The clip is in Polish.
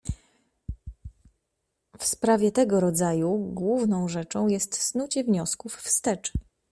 "W sprawie tego rodzaju główną rzeczą jest snucie wniosków wstecz."